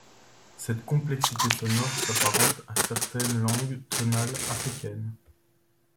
Cette complexité sonore s'apparente à certaines langues tonales africaines.